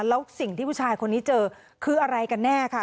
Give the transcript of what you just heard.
แล้วสิ่งที่ผู้ชายคนนี้เจอคืออะไรกันแน่ค่ะ